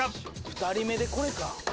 ２人目でこれか。